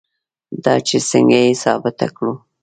دا چې څنګه یې ثابته کړو.